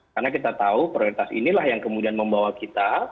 karena kita tahu prioritas inilah yang kemudian membawa kita